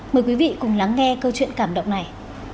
mời quý vị cùng lắng nghe câu chuyện cảm động này